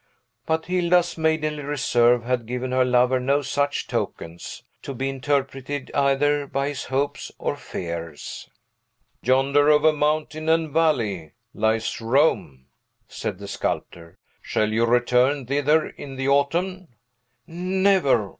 But Hilda's maidenly reserve had given her lover no such tokens, to be interpreted either by his hopes or fears. "Yonder, over mountain and valley, lies Rome," said the sculptor; "shall you return thither in the autumn?" "Never!